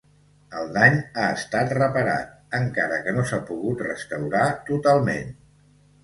El dany ha estat reparat, encara que no s'ha pogut restaurar totalment.